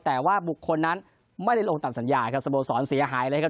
แต่ว่าบุคคลนั้นไม่ได้ลงตามสัญญาครับสโมสรเสียหายเลยครับ